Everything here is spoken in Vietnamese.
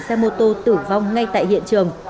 xe mô tô tử vong ngay tại hiện trường